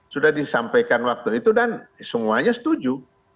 sudah disampaikan waktu itu dan semuanya setuju